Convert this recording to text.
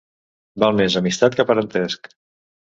Val més amistat que parentesc.